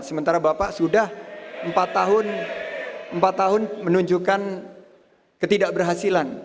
sementara bapak sudah empat tahun menunjukkan ketidakberhasilan